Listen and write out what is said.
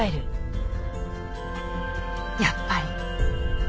やっぱり。